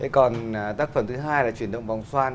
còn tác phẩm thứ hai là chuyển động vòng xoan